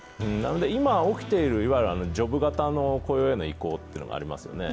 今起きている、いわゆるジョブ型の雇用への移行がありますよね。